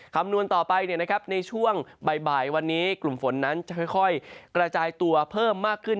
คำนวณต่อไปในช่วงบ่ายวันนี้กลุ่มฝนนั้นจะค่อยกระจายตัวเพิ่มมากขึ้น